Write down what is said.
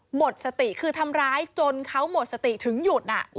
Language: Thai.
หมดสติคือทำร้ายจนเขาหมดสติถึงหยุด